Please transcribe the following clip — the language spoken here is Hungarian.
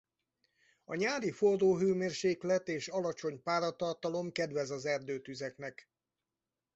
A nyári forró hőmérséklet és alacsony páratartalom kedvez az erdőtüzeknek.